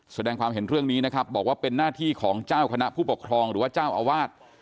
แสดงความเห็นเรื่องนี้นะครับบอกว่าเป็นหน้าที่ของเจ้าคณะผู้ปกครองหรือว่าเจ้าอาวาส